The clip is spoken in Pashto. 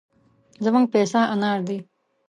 زموږ پيسه انار دي.